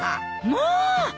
まあ！